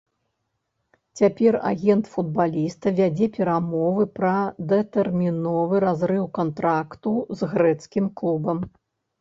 Цяпер агент футбаліста вядзе перамовы пра датэрміновы разрыў кантракту з грэцкім клубам.